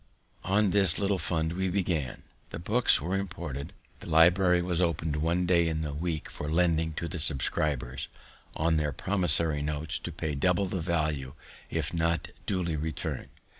On this little fund we began. The books were imported; the library was opened one day in the week for lending to the subscribers, on their promissory notes to pay double the value if not duly returned.